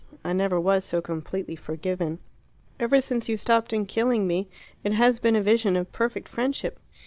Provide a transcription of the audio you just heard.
I never was so completely forgiven. Ever since you stopped him killing me, it has been a vision of perfect friendship.